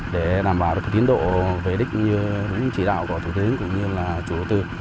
để đảm bảo được tiến độ về đích như đúng chỉ đạo của thủ tướng cũng như là chủ tư